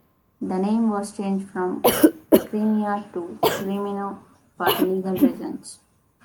The name was changed from Chimera to Camino for legal reasons.